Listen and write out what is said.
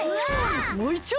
もういっちょ！